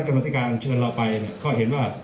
คณะกรรมธิการเชิญเราไปก็เห็นว่า